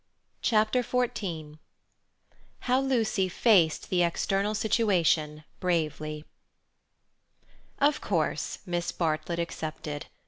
Chapter XIV How Lucy Faced the External Situation Bravely Of course Miss Bartlett accepted.